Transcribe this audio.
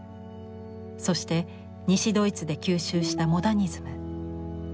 そして西ドイツで吸収したモダニズム。